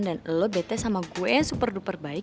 dan elo bete sama gue yang super duper baik